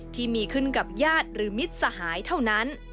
ที่มีขึ้นกับญาติหรือมิตรสหายเท่านั้น